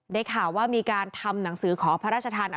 ได้ข่าวว่ามีการทำหนังสือขอพระราชทาน